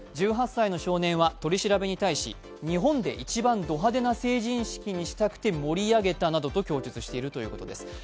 １８歳の少年は取り調べに対し日本で一番ド派手な成人式にしたくて盛り上げたなどと供述しているということです。